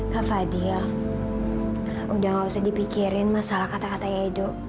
kak fadil udah nggak usah dipikirin masalah kata kata edo